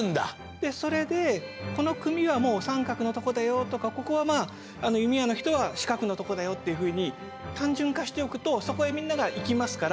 でそれでこの組はもう三角のとこだよとかここはまあ弓矢の人は四角のとこだよっていうふうに単純化しておくとそこへみんなが行きますから。